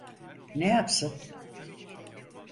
Ne yapsın?